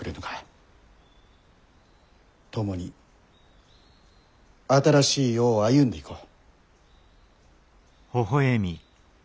共に新しい世を歩んでいこう。